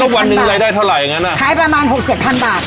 แล้ววันนึงรายได้เท่าไรอ่ะขายประมาณ๖๗พันบาท